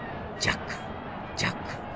『ジャックジャック！